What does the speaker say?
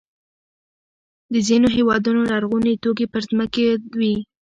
د ځینو هېوادونو لرغوني توکي پر ځمکې وي.